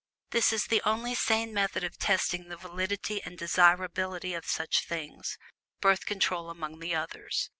This is the only sane method of testing the validity and desirability of such things Birth Control among the others.